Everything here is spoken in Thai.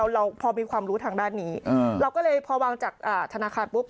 เราพอมีความรู้ทางด้านนี้เราก็เลยพอวางจากธนาคารปุ๊บ